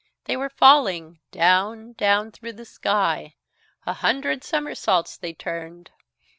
They were falling, down, down through the sky. A hundred somersaults they turned.